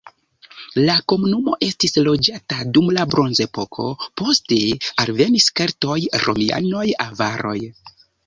La komunumo estis loĝata dum la bronzepoko, poste alvenis keltoj, romianoj, avaroj.